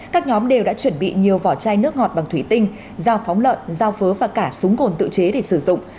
các nhóm đều đã chuẩn bị nhiều vỏ chai nước ngọt bằng thủy tinh dao phóng lợn dao phớ và cả súng cồn tự chế để sử dụng